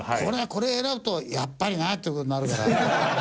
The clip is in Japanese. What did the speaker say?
これ選ぶと「やっぱりな」っていう事になるから。